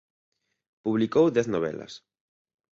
Publicou dez novelas.